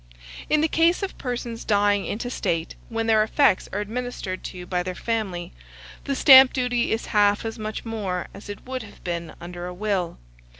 In the case of persons dying intestate, when their effects are administered to by their family, the stamp duty is half as much more as it would have been under a will.